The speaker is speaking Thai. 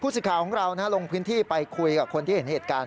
สิทธิ์ของเราลงพื้นที่ไปคุยกับคนที่เห็นเหตุการณ์